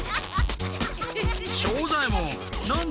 庄左ヱ門何だ？